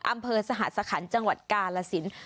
อำเภอสหสคัญจังหวัดกาลสิน